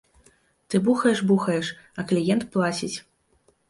Ты бухаеш-бухаеш, а кліент плаціць.